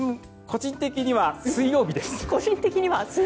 個人的には水曜日。